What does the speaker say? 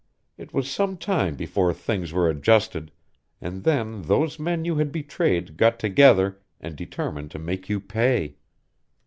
It was some time before things were adjusted, and then those men you had betrayed got together and determined to make you pay!